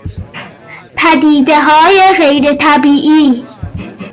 پدیدههای غیر طبیعی